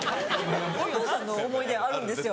お父さんの思い出あるんですよ。